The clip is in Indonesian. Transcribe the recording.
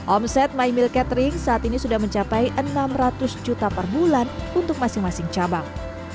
omset my mill catering saat ini sudah mencapai enam ratus juta per bulan untuk masing masing cabang